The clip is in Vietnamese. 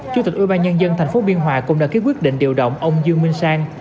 chủ tịch ủy ban nhân dân tp biên hòa cũng đã ký quyết định điều động ông dương minh sang